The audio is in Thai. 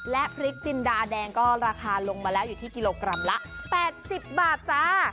และพริกจินดาแดงก็ราคาลงมาแล้วอยู่ที่กิโลกรัมละ๘๐บาทจ้า